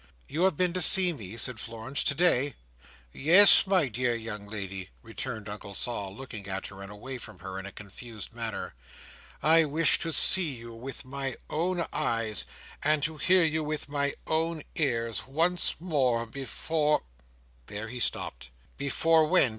"You have been to see me?" said Florence. "Today?" "Yes, my dear young lady," returned Uncle Sol, looking at her and away from her in a confused manner. "I wished to see you with my own eyes, and to hear you with my own ears, once more before—" There he stopped. "Before when?